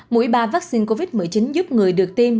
mũi ba vaccine covid một mươi chín giúp người được tiêm